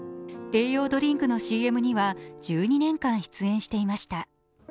栄養ドリンクのＣＭには１２年間、出演していました。